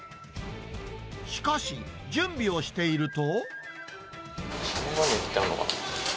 しかし、準備をしていると。